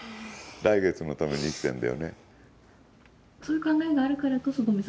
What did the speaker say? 来月のために生きてるんだよね。